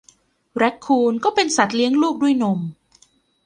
แรคคูนก็เป็นสัตว์เลี้ยงลูกด้วยนม